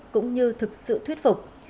cũng như thực sự thuyết phục